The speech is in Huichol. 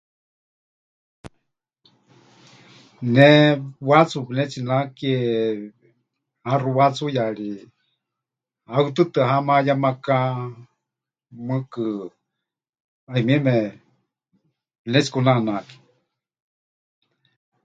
Ne watsu pɨnetsinake haxu watsuyari, haɨtɨtɨ ha mayemaka, mɨɨkɨ 'ayumieme pɨnetsikunanake.